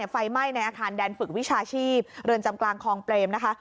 ไฟไหม้ในอาคารแดนฝึกวิชาชีพเรือนจำกลางคลองเปรมนะคะ